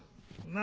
何？